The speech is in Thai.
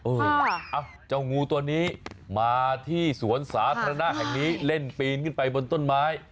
เอ้าเจ้างูตัวนี้มาที่สวนสาธารณะแห่งนี้เล่นปีนขึ้นไปบนต้นไม้